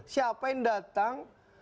siapa yang datang